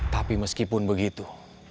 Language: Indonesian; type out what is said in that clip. tapi meskipun begitu